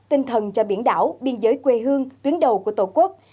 tinh thần cho biển đảo biên giới quê hương tuyến đầu của tổ quốc